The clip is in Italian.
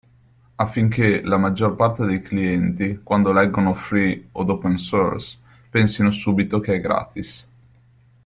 Affinché la maggior parte dei clienti quando leggono free od open source pensino subito che è gratis.